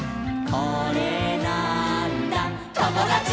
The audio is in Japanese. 「これなーんだ『ともだち！』」